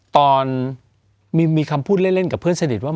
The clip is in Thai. ตอนมีคำพูดเล่นกับเพื่อนสนิทว่า